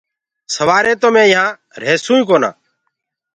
سوآري تو مي يهآنٚ ريهسوئيٚ ڪونآ